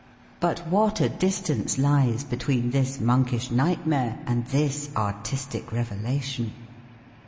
But what a distance lies between this monkish nightmare and this artistic revelation!